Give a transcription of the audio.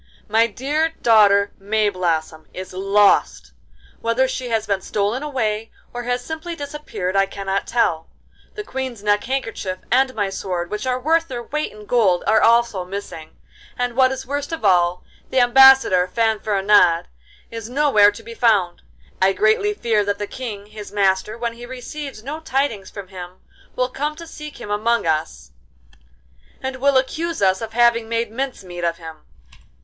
My dear daughter Mayblossom is lost: whether she has been stolen away or has simply disappeared I cannot tell. The Queen's neck handkerchief and my sword, which are worth their weight in gold, are also missing, and, what is worst of all, the Ambassador Fanfaronade is nowhere to be found. I greatly fear that the King, his master, when he receives no tidings from him, will come to seek him among us, and will accuse us of having made mince meat of him.